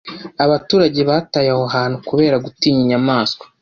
abaturage bataye aho hantu kubera gutinya inyamaswa